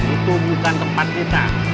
itu bukan tempat kita